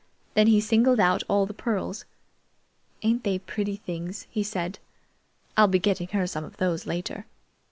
Then he singled out all the pearls. "Ain't they pretty things?" he said. "I'll be getting her some of those later.